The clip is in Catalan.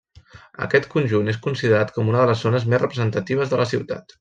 Aquest conjunt és considerat com una de les zones més representatives de la ciutat.